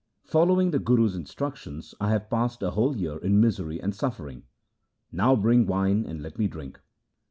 Following the Guru's instruc tions I have passed a whole year in misery and suffering. Now bring wine and let me drink.'